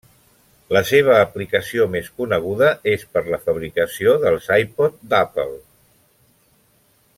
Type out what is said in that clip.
La seva aplicació més coneguda és per la fabricació dels iPod d'Apple.